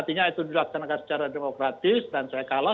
artinya itu dilaksanakan secara demokratis dan saya kalah